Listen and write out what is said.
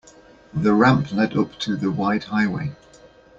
The ramp led up to the wide highway.